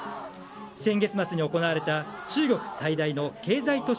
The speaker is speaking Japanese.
先月末に行われた中国最大の経済都市・